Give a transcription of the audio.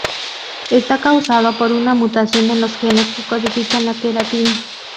Está causado por una mutación en los genes que codifican la queratina.